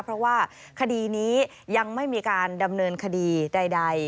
เพราะว่าคดีนี้ยังไม่มีการดำเนินคดีใด